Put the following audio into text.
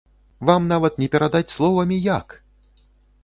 Вам нават не перадаць словамі як!